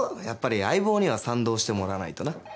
やっぱり相棒には賛同してもらわないとな。